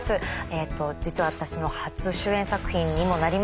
実は私の初主演作品にもなります。